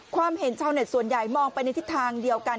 ความเห็นชาวเน็ตส่วนใหญ่มองไปในทิศทางเดียวกัน